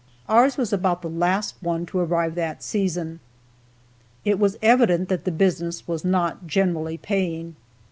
Ours was about the last one to arrive that season. It was evident that the business was not generally paying.